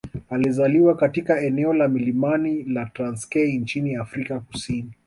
alizaliwa katika eneo la milimani la Transkei nchini Afrika Kusini